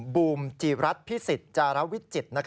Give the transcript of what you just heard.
บูมจีรัฐพิสิทธิจารวิจิตร